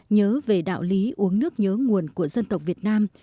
nhớ về đạo lý uống nước nhớ nguồn của dân tộc việt nam